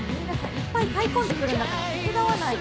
いっぱい買い込んでくるんだから手伝わないと。